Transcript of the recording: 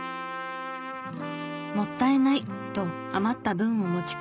もったいない！と余った分を持ち帰る日々。